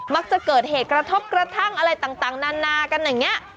มักจะเกิดเหตุกระทบกระทั่งอะไรต่างนานากันอย่างนี้